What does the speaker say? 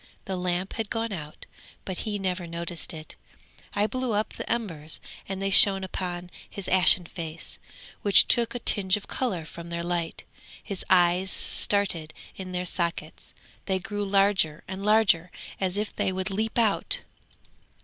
The lamp had gone out, but he never noticed it; I blew up the embers and they shone upon his ashen face, which took a tinge of colour from their light; his eyes started in their sockets, they grew larger and larger, as if they would leap out.